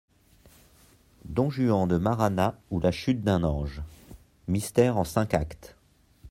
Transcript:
=Don Juan de Marana ou la chute d'un ange.= Mystère en cinq actes.